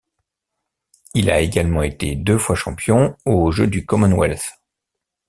Il a également été deux fois champion aux jeux du Commonwealth.